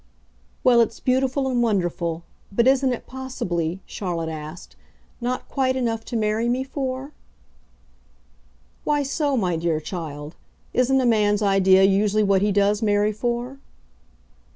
"Well, it's beautiful and wonderful. But isn't it, possibly," Charlotte asked, "not quite enough to marry me for?" "Why so, my dear child? Isn't a man's idea usually what he does marry for?"